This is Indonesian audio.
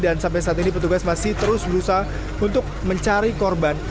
dan sampai saat ini petugas masih terus berusaha untuk mencari korban